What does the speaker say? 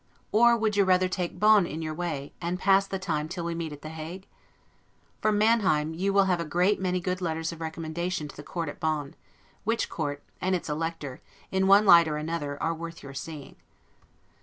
Or would you rather take Bonn in your way, and pass the time till we meet at The Hague? From Manheim you may have a great many good letters of recommendation to the court of Bonn; which court, and it's Elector, in one light or another, are worth your seeing.